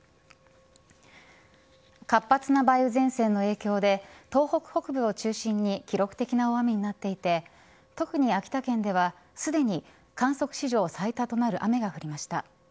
活発な梅雨前線の影響で東北北部を中心に記録的な大雨になっていて特に秋田県ではすでに観測史上最多となる雨が降りました。